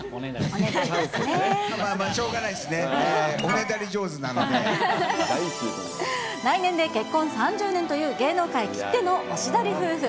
おねだ来年で結婚３０年という、芸能界きってのおしどり夫婦。